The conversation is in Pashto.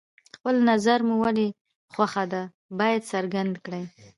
خپل نظر مو ولې خوښه ده باید څرګند کړئ.